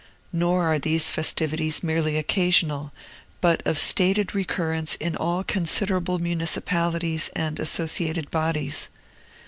Nor are these festivities merely occasional, but of stated recurrence in all considerable municipalities and associated bodies.